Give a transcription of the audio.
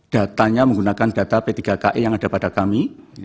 datanya menggunakan data p tiga ki yang ada pada kami